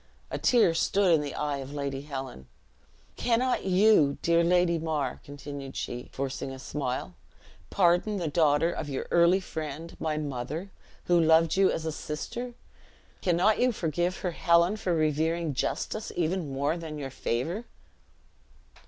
A tear stood in the eye of Lady Helen. "Cannot you, dear Lady Mar," continued she, forcing a smile, "pardon the daughter of your early friend, my mother, who loved you as a sister? Cannot you forgive her Helen for revering justice even more than your favor?"